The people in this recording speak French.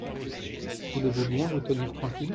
Voulez-vous bien vous tenir tranquille…